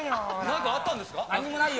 何かあったんですか？